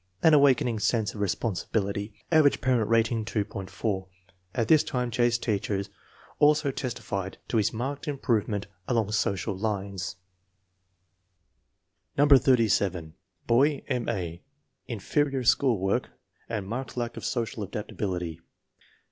An awakening sense of responsibility. Average parent rating, 2.40. At this time J.'s teachers also testify to his marked im provement along social lines, No. 87. Boy: M. A. Inferior school work and marked lack of social adaptability.